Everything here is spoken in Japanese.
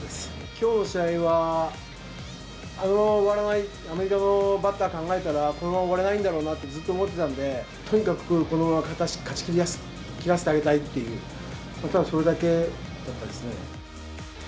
きょうの試合は、あのアメリカのバッターを考えたら、このまま終われないんだろうなってずっと思ってたので、とにかくこのまま勝ちきらせてあげたいっていう、ただそれだけだったですね。